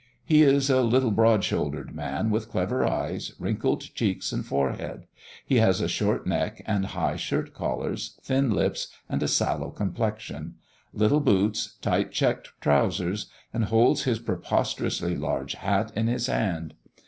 He is a little broad shouldered man, with clever eyes, wrinkled cheeks and forehead; he has a short neck and high shirt collars, thin lips, and a sallow complexion; little boots, tight checked trousers, and holds his preposterously large hat in his hand.